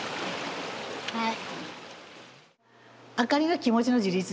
はい。